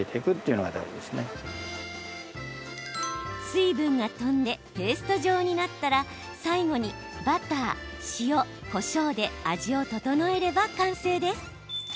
水分が飛んでペースト状になったら最後に、バター、塩、こしょうで味を調えれば完成です。